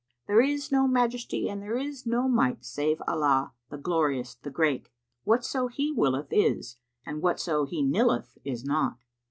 There is no Majesty and there is no Might save in Allah, the Glorious, the Great! Whatso He willeth is and whatso He nilleth is not!